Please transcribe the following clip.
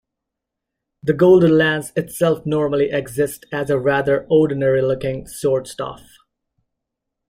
The Golden Lance itself normally exists as a rather ordinary-looking short staff.